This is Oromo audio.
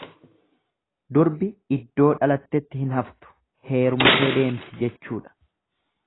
Durbi iddoo dhalatetti hin haftu heerumtee deemti jechuudha.